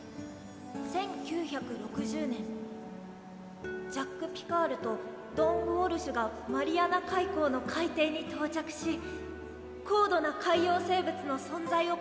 「１９６０年ジャック・ピカールとドン・ウォルシュがマリアナ海溝の海底に到着し高度な海洋生物の存在を確認した」。